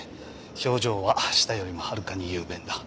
表情は舌よりもはるかに雄弁だ。